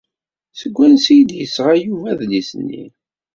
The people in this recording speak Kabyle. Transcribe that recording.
Seg wansi ay d-yesɣa Yuba adlis-nni?